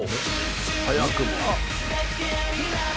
早くも。